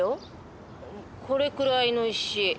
これくらいの石。